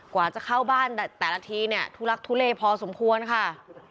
กว่าจะเข้าบ้านแต่ละทีเนี่ยทุลักทุเลพอสมควรค่ะ